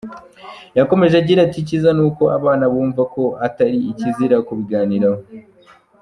Yakomeje agira ati “Icyiza ni uko abana bumva ko atari ikizira kubiganiraho.